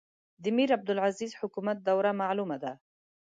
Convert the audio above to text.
د میرعبدالعزیز حکومت دوره معلومه ده.